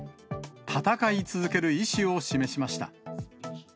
戦い続ける意思を示しました。